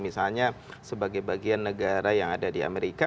misalnya sebagai bagian negara yang ada di amerika